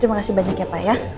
terima kasih banyak ya pak ya